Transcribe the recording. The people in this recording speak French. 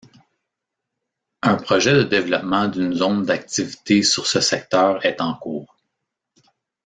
Un projet de développement d'une zone d'activité sur ce secteur est en cours.